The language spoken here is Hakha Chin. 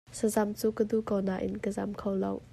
Sazamh cu ka duh ko nain ka zam kho lo.